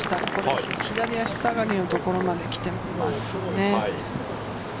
左足下がりのところまで来ていますね。